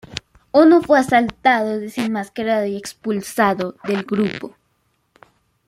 Ono fue asaltado, desenmascarado y expulsado del grupo.